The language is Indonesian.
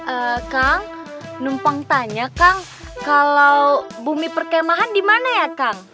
eee kang numpang tanya kang kalau bumi perkemahan dimana ya kang